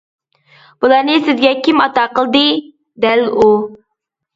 بۇلارنى سىزگە كىم ئاتا قىلدى؟ دەل ئۇ.